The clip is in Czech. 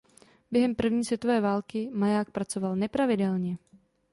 Během první světové války maják pracoval nepravidelně.